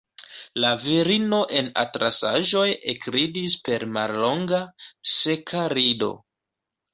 La virino en atlasaĵoj ekridis per mallonga, seka rido.